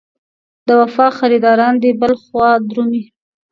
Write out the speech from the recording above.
د وفا خریداران دې بل خوا درومي.